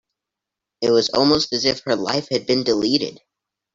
It was almost as if her life had been deleted.